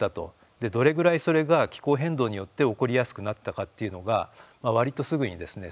どれぐらいそれが気候変動によって起こりやすくなったかっていうのが、わりとすぐにですね